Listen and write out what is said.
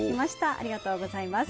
ありがとうございます。